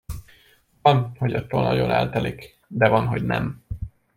Van, hogy attól nagyon eltelik, de van, hogy nem.